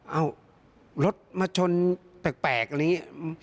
เอารถมาชนแปลกอะไรอย่างนี้